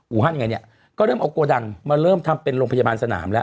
ฮันไงเนี่ยก็เริ่มเอาโกดังมาเริ่มทำเป็นโรงพยาบาลสนามแล้ว